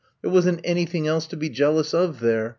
There was n*t anything else to be jealous of there.